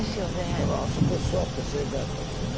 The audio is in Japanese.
だからあそこへ座って正解やったんですよね。